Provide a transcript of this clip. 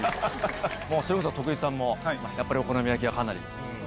それこそ徳井さんもお好み焼きはかなり。